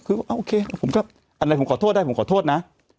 คือโอเคผมก็อันไหนผมขอโทษได้ผมขอโทษนะ